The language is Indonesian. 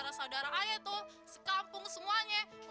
masa yuran ini